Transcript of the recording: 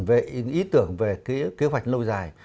về ý tưởng về kế hoạch lâu dài